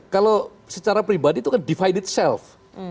kalau secara pribadi itu kan divide itself